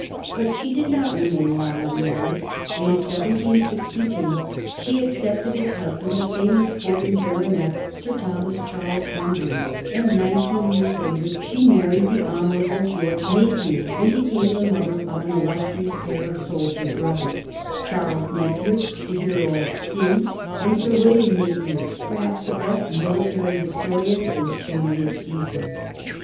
But she did not remain long unmarried. In 1762 she accepted as husband the famous sporting Baronet Sir Thomas Charles Bunbury, and nineteen years later she married the Hon. George Napier, and became the mother of an illustrious pair of soldier brothers, Sir Charles Napier, the hero of Scinde, and Sir William Napier, perhaps the best military historian since Julius Caesar.